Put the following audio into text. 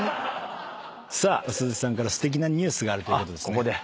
鈴木さんからすてきなニュースがあるということですね。